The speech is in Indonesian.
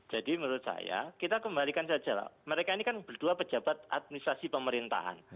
jadi menurut saya kita kembalikan saja mereka ini kan berdua pejabat administrasi pemerintahan